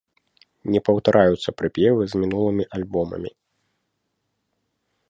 Не паўтараюцца прыпевы з мінулымі альбомамі.